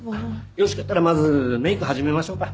よろしかったらまずメーク始めましょうか。